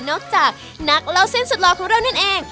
จากนักเล่าเส้นสุดหล่อของเรานั่นเอง